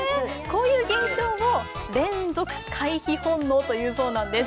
こういう現象を連続回避本能というそうなんです。